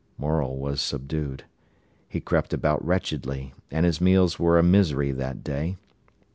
Morel was subdued. He crept about wretchedly, and his meals were a misery that day.